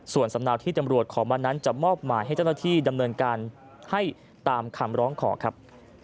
ส่วนสำเนาที่ตำรวจขอมานั้นจะมอบหมายให้เจ้าหน้าที่ดำเนินการให้ตามคำร้องขอครับ